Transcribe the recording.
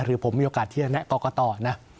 หรือผมมีโอกาสที่จะแนะกรกตนะ